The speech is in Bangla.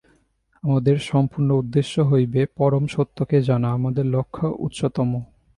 আমাদের সম্পূর্ণ উদ্দেশ্য হইবে পরমসত্যকে জানা, আমাদের লক্ষ্য উচ্চতম।